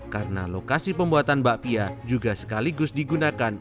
karena lokasi pembuatan bakpia juga sekaligus digunakan